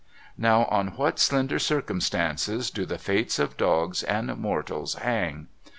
Now on what slender circumstances do the fates of dogs and mortals hang.